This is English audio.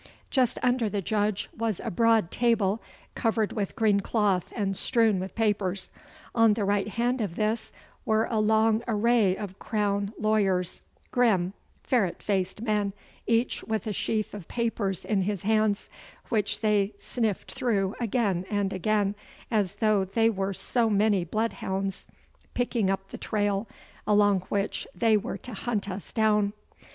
Just under the Judge was a broad table, covered with green cloth and strewn with papers. On the right hand of this were a long array of Crown lawyers, grim, ferret faced men, each with a sheaf of papers in his hands, which they sniffed through again and again, as though they were so many bloodhounds picking up the trail along which they were to hunt us down.